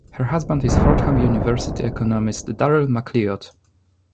Her husband is Fordham University economist Darryl McLeod.